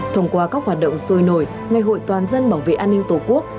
thông qua các hoạt động sôi nổi ngày hội toàn dân bảo vệ an ninh tổ quốc